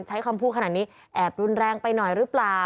ใช้คำพูดขนาดนี้แอบรุนแรงไปหน่อยหรือเปล่า